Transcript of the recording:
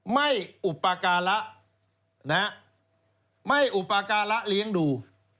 ไม่อุปการะไม่อุปการะเลี้ยงดู